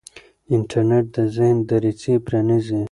انټرنیټ د ذهن دریڅې پرانیزي.